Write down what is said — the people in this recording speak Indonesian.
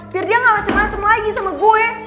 biar dia gak macem macem lagi sama gue